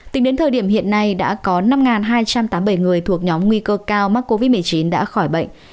tính đến thời điểm hiện nay đã có năm hai trăm tám mươi bảy người thuộc nhóm nguy cơ cao mắc covid một mươi chín đã khỏi bệnh